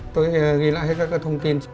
tôi ghi lại hết các thông tin